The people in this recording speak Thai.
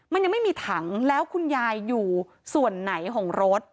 มันยังไม่มีถังแล้วคุณยายอยู่ส่วนไหนของรถ